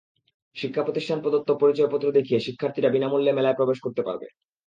শিক্ষাপ্রতিষ্ঠান প্রদত্ত পরিচয়পত্র দেখিয়ে শিক্ষার্থীরা বিনা মূল্যে মেলায় প্রবেশ করতে পারবে।